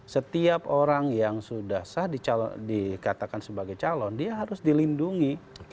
setiap orang yang sudah sah dikatakan sebagai calon dia harus dilindungi